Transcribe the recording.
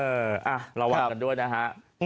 ระวังกันด้วยนะฮะ